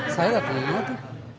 saya gak kenal tuh